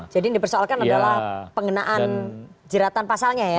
jadi dipersoalkan adalah pengenaan jeratan pasalnya ya